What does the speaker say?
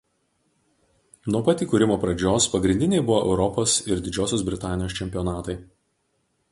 Nuo pat įkūrimo pradžios pagrindiniai buvo Europos ir Didžiosios Britanijos čempionatai.